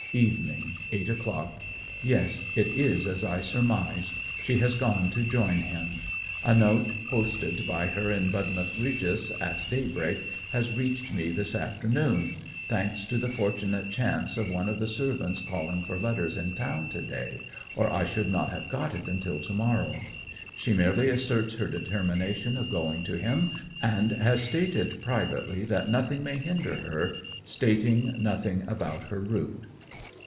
Evening: 8 o'clock. Yes, it is as I surmised. She has gone to join him. A note posted by her in Budmouth Regis at daybreak has reached me this afternoon thanks to the fortunate chance of one of the servants calling for letters in town to day, or I should not have got it until to morrow. She merely asserts her determination of going to him, and has started privately, that nothing may hinder her; stating nothing about her route.